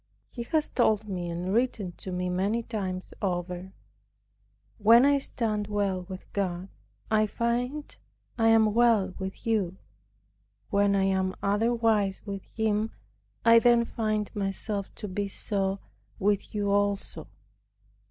He has told me and written to me many times over, "When I stand well with God, I find I am well with you. When I am otherwise with Him, I then find myself to be so with you also."